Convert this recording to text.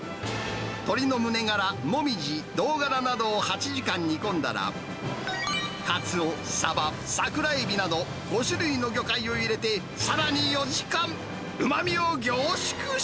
鶏の胸ガラ、モミジ、胴ガラなどを８時間煮込んだら、カツオ、サバ、サクラエビなど、５種類の魚介を入れて、さらに４時間。